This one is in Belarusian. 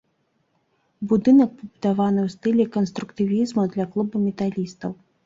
Будынак пабудаваны ў стылі канструктывізму для клуба металістаў.